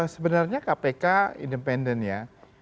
sebenarnya kpk independen ya